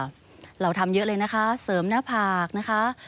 เราทำเยอะเลยนะคะเสริมหน้าผากนะคะ